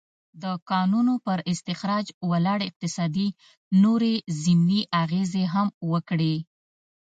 د کانونو پر استخراج ولاړ اقتصاد نورې ضمني اغېزې هم وکړې.